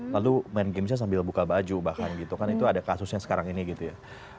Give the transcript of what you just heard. lalu main gamesnya sambil buka baju bahkan gitu kan itu ada kasusnya sekarang ini gitu ya